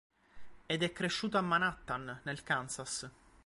Ed è cresciuto a Manhattan, nel Kansas.